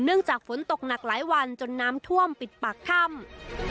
จากฝนตกหนักหลายวันจนน้ำท่วมปิดปากถ้ำ